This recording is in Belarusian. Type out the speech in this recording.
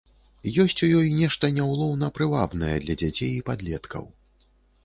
Ёсць у ёй нешта няўлоўна прывабнае для дзяцей і падлеткаў.